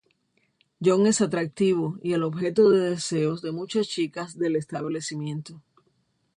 John es atractivo y el objeto de deseos de muchas chicas del establecimiento.